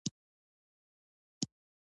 افغانستان کې د ولایتونو په اړه زده کړه کېږي.